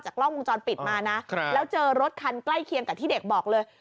กล้องวงจรปิดมานะแล้วเจอรถคันใกล้เคียงกับที่เด็กบอกเลย